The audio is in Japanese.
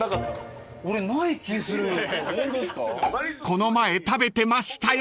［この前食べてましたよ！］